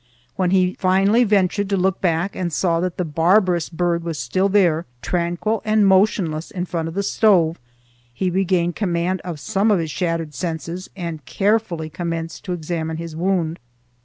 When he finally ventured to look back and saw that the barbarous bird was still there, tranquil and motionless in front of the stove, he regained command of some of his shattered senses and carefully commenced to examine his wound.